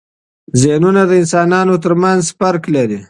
زهنونه د انسانانو ترمنځ توپیر لري.